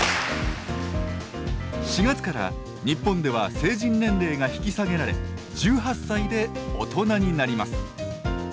４月から日本では成人年齢が引き下げられ１８歳で大人になります。